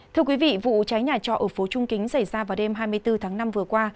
thưa quý vị vụ cháy nhà trọ ở phố trung kính xảy ra vào đêm hai mươi bốn tháng năm vừa qua